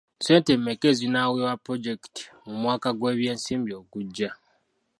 Ssente mmeka ezinaaweebwa pulojekiti mu mwaka gw'ebyensimbi ogujja?